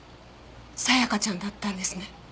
沙也加ちゃんだったんですね。